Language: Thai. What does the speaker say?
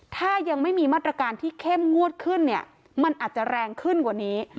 ถ้ายังไม่มีมาตรการที่เข้มงวดขึ้นเนี่ยมันอาจจะแรงขึ้นกว่านี้